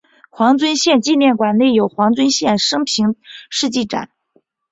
黄遵宪纪念馆内有黄遵宪生平事迹展。